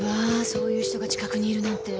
そういう人が近くにいるなんて。